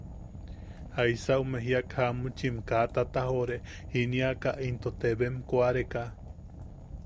Jaisa ume jiak jamuchimka tatajoʼore jiniaka into teebem koʼareka.